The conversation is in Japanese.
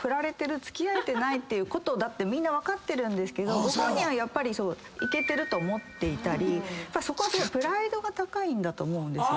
付き合えてないってことだってみんな分かってるんですけどご本人はいけてると思っていたりやっぱそこはすごいプライドが高いんだと思うんです。